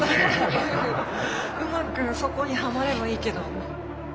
うまくそこにはまればいいけど。